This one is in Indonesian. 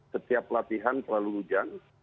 setiap latihan selalu hujan